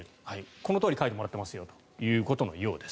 このとおり書いてもらってますよということのようです。